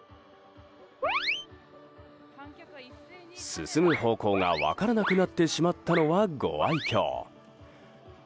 進む方向が分からなくなってしまったのはご愛嬌。